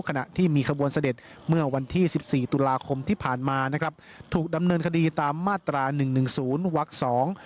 ขณะที่มีขบวนเสด็จเมื่อวันที่สิบสี่ตุลาคมที่ผ่านมานะครับถูกดำเนินคดีตามมาตราหนึ่งหนึ่งศูนย์วักสอง